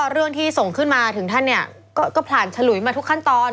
เรื่องที่ส่งขึ้นมาถึงท่านเนี่ยก็ผ่านฉลุยมาทุกขั้นตอน